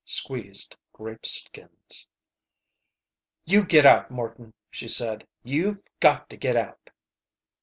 Squeezed grape skins. "You get out, Morton," she said. "You've got to get out."